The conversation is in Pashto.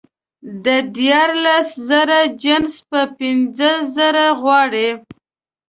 د دیارلس زره جنس په پینځه زره غواړي